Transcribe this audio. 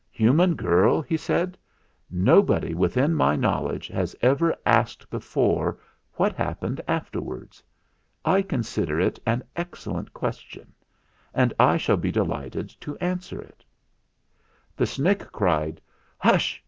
"Human girl," he said, "nobody within my knowledge has ever asked before what hap pened afterwards. I consider it an excellent question, and I shall be delighted to answer it" The Snick cried "Hush!